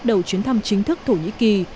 đầu chuyến thăm chính thức thổ nhĩ kỳ